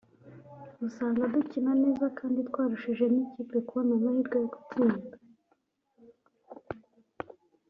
usanga dukina neza kandi twarushije n’ikipe kubona amahirwe yo gutsinda